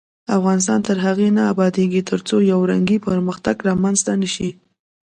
افغانستان تر هغو نه ابادیږي، ترڅو یو رنګی پرمختګ رامنځته نشي.